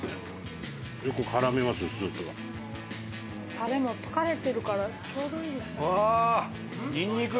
タレも疲れてるからちょうどいいです。